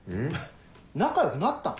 仲良くなったの？